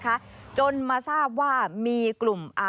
ฟังเสียงอาสามูลละนิทีสยามร่วมใจ